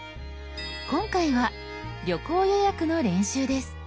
今回は旅行予約の練習です。